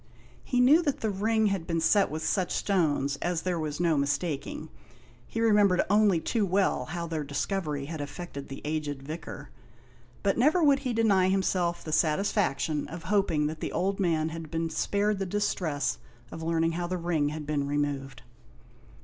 He knew that the ring had been set with such 142 THE INDIAN LAMP SHADE. stones as there was no mistaking: he remem bered only too well how their discovery had affected the aged vicar. But never would he deny himself the satisfaction of hoping that the old man had been spared the distress of learning how the ring had been removed.